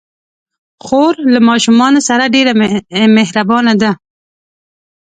خور له ماشومانو سره ډېر مهربانه ده.